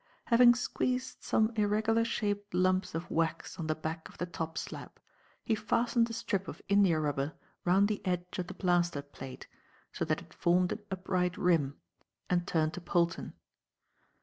Having squeezed some irregular shaped lumps of wax on the back of the top slab, he fastened a strip of india rubber round the edge of the plaster plate, so that it formed an upright rim, and turned to Polton.